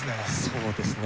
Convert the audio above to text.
そうですね。